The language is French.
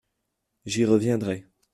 J’y reviendrai.